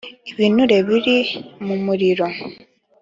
ibinure biri mu muriro.